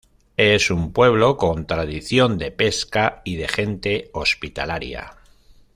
Es un pueblo con tradición de pesca y de gente hospitalaria.